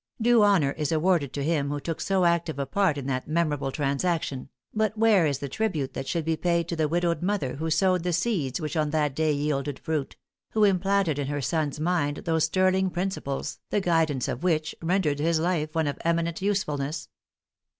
Due honor is awarded to him who took so active a part in that memorable transaction; but where is the tribute that should be paid to the widowed mother who sowed the seeds which on that day yielded fruit who implanted in her son's mind those sterling principles, the guidance of which rendered his life one of eminent usefulness?